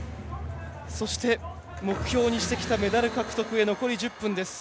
そして、目標にしてきたメダル獲得に残り１０分です。